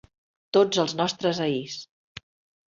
Tots els nostres ahirs